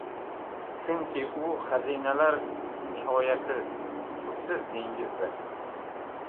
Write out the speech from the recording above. Chunki u xazinalar nihoyasiz, tubsiz dengizdir.